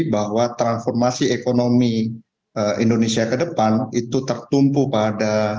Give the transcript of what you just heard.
bahwa transformasi ekonomi indonesia ke depan itu tertumpu pada